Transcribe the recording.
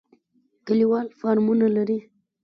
کلیوال فارمونه لري.